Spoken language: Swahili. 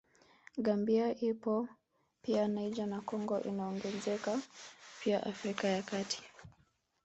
Gambia ipo pia Niger na Congo inaongenzeka pia Afrika ya Kati